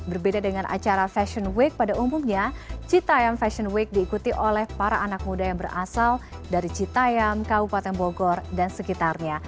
berbeda dengan acara fashion week pada umumnya citayam fashion week diikuti oleh para anak muda yang berasal dari citayam kabupaten bogor dan sekitarnya